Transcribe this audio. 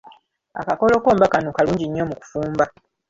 Akakolokomba kano kalungi nnyo mu kufumba.